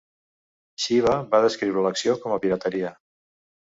Xiva va descriure l'acció com a pirateria.